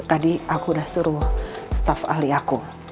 tadi aku udah suruh staff ahli aku